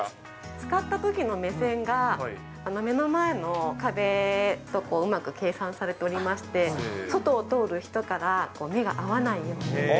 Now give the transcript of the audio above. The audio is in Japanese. つかったときの目線が、目の前の壁とうまく計算されておりまして、外を通る人から目が合わないように。